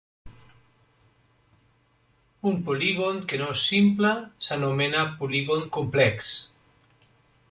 Un polígon que no és simple s'anomena polígon complex.